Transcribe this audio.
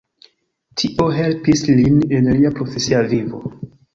Tio helpis lin en lia profesia vivo.